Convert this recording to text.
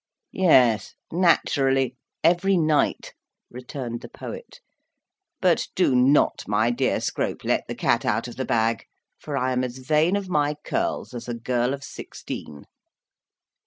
"Yes, naturally, every night," returned the poet; "but do not, my dear Scrope, let the cat out of the bag, for I am as vain of my curls as a girl of sixteen."